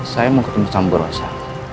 saya mau ketemu sama berusaha